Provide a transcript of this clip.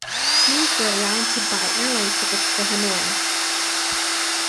Teams were allowed to buy airline tickets to Hanoi.